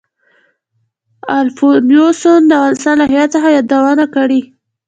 الفونستون د افغانستان له هېواد څخه یادونه کړې.